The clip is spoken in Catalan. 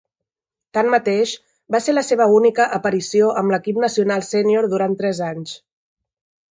Tanmateix, va ser la seva única aparició amb l'equip nacional sènior durant tres anys.